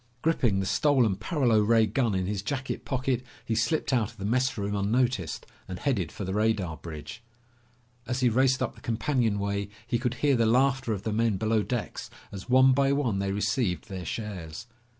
Gripping the stolen paralo ray gun in his jacket pocket, he slipped out of the messroom unnoticed and headed for the radar bridge. As he raced up the companionway he could hear the laughter of the men below decks as one by one they received their shares.